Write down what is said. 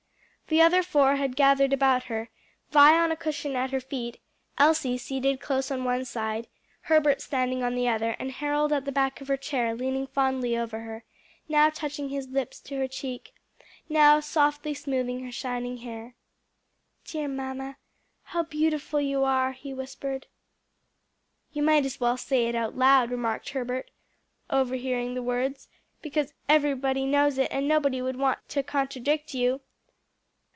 The other four had gathered about her, Vi on a cushion at her feet, Elsie seated close on one side, Herbert standing on the other, and Harold at the back of her chair, leaning fondly over her, now touching his lips to her cheek, now softly smoothing her shining hair. "Dear mamma, how beautiful you are!" he whispered. "You might as well say it out loud," remarked Herbert, overhearing the words, "because everybody knows it and nobody would want to contradict you."